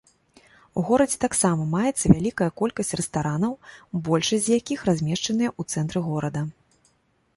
У горадзе таксама маецца вялікая колькасць рэстаранаў, большасць з якіх размешчаныя ў цэнтры горада.